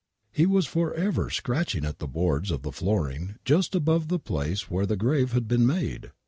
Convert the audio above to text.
He was for ever scratching at the boards of the flooring just above the place where the grave had been made.